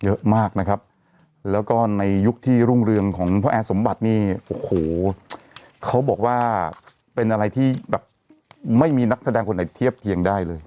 เยอะมากนะครับแล้วก็ในยุคที่รุ่งเรืองของพ่อแอร์สมบัตินี่โอ้โหเขาบอกว่าเป็นอะไรที่แบบไม่มีนักแสดงคนไหนเทียบเคียงได้เลย